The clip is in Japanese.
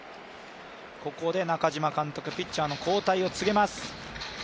ここで中嶋監督、ピッチャーの交代を告げます。